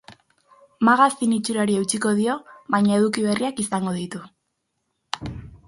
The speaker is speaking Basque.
Magazin itxurari eutsiko dio baina eduki berriak izango ditu.